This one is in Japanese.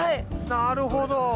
なるほど！